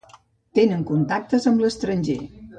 Tenen contactes amb l'estranger.